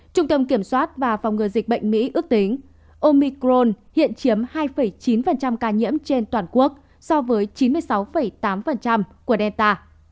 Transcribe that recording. trung tâm kiểm soát và phòng ngừa dịch bệnh mỹ ước tính omicron hiện chiếm hai chín ca nhiễm trên toàn quốc so với chín mươi sáu tám của delta